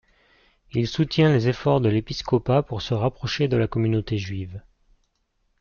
Il soutient les efforts de l'épiscopat pour se rapprocher de la communauté juive.